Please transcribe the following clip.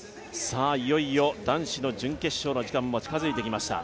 いよいよ男子の準決勝の時間も近づいてきました。